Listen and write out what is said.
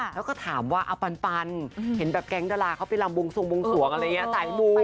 แล้วก็ถามว่าอะปันปันเห็นแบบแก๊งดลาเขาไปรำบวงสวงบวงสวงอะไรอย่างนี้